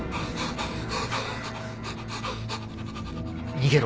逃げろ。